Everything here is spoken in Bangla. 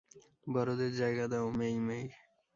বড়দের জায়গা দাও, মেই-মেই।